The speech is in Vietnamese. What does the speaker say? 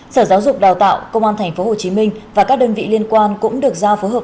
sở giáo dục đào tạo công an tp hcm và các đơn vị liên quan cũng được giao phối hợp